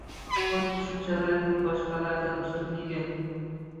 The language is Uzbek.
Bu tushunchalarning boshqalaridan ustunligi